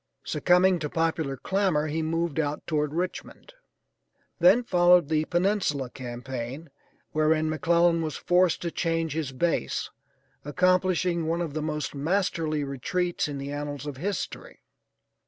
Succumbing to popular clamor he moved out toward Richmond. Then followed the Peninsula campaign, wherein McClellan was forced to change his base, accomplishing one of the most masterly retreats in the annals of history.